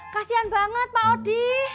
kasian banget pak odi